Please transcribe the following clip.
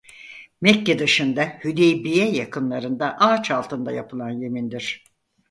Mekke dışında Hudeybiye yakınlarında ağaç altında yapılan yemindir.